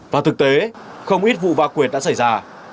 và thực tế không ít vụ va quyệt đã xảy ra